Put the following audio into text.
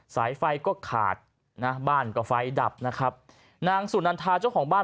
สายไฟก็ขาดนะบ้านก็ไฟดับนะครับนางสุนันทาเจ้าของบ้าน